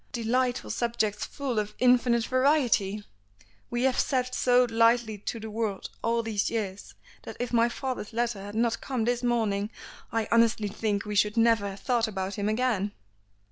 Delightful subjects full of infinite variety! We have sat so lightly to the world all these years, that if my father's letter had not come this morning I honestly think we should never have thought about him again."